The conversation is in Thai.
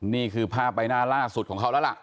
นี่คือภาพใบหน้าล่าสุดของเขาแล้วล่ะ